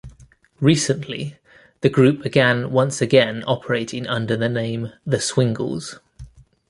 Recently, the group began once again operating under the name The Swingles.